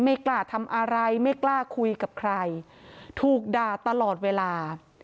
ไม่กล้าทำอะไรไม่กล้าคุยกับใครถูกด่าตลอดเวลา